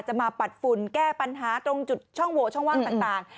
มาปัดฝุ่นแก้ปัญหาตรงจุดช่องโหวช่องว่างต่าง